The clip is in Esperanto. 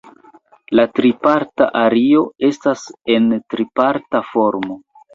La triparta ario estas en triparta formo.